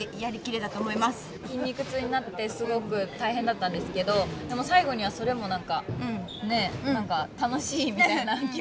筋肉痛になってすごく大変だったんですけどでも最後にはそれも何かねえ何か楽しいみたいな気持ちになったし。